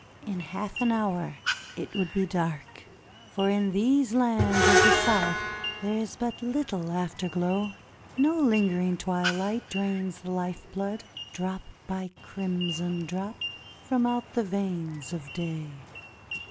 In half an hour it would be dark, for in these lands of the South there is but little afterglow. No lingering twilight drains the life blood, drop by crimson drop, from out the veins of day.